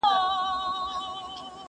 اوس نسيم راوړي خبر د تورو ورځو،